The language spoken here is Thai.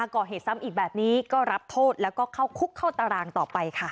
ก่อเหตุซ้ำอีกแบบนี้ก็รับโทษแล้วก็เข้าคุกเข้าตารางต่อไปค่ะ